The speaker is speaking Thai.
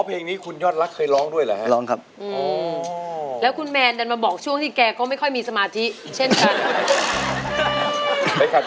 เพลงที่๔ของเขาดูสิว่าเขาจะทำสำเร็จหรือว่าร้องผิดครับ